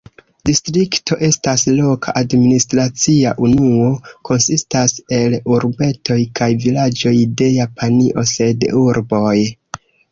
Distrikto estas loka administracia unuo konsistas el urbetoj kaj vilaĝoj de Japanio sed urboj.